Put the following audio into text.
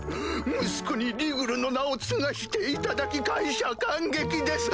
息子にリグルの名を継がしていただき感謝感激です！